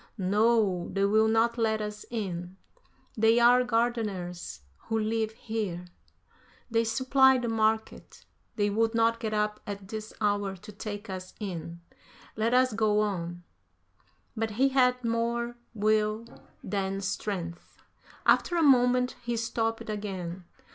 "No, they will not let us in. They are gardeners who live here. They supply the market. They would not get up at this hour to take us in. Let us go on." But he had more will than strength. After a moment he stopped again.